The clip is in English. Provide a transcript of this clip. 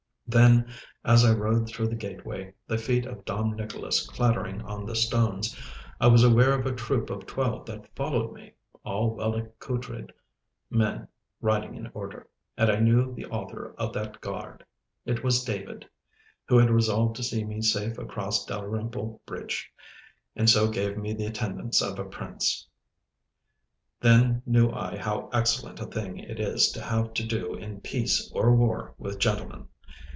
Then, as I rode through the gateway, the feet of Dom Nicholas clattering on the stones, I was aware of a troop of twelve that followed me, all well accoutred men riding in order. And I knew the author of that guard. It was David, who had resolved to see me safe across Dalrymple bridge, and so gave me the attendance of a prince. Then knew I how excellent a thing it is to have to do in peace or war with gentlemen.